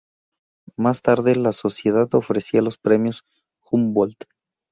Más tarde, la sociedad ofrecía los premios Humboldt.